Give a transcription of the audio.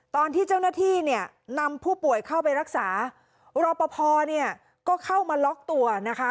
ตอนที่เจ้าหน้าที่เนี่ยนำผู้ป่วยเข้าไปรักษารอปภเนี่ยก็เข้ามาล็อกตัวนะคะ